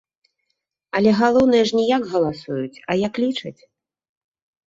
Але галоўнае ж, не як галасуюць, а як лічаць.